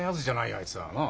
あいつは。なあ？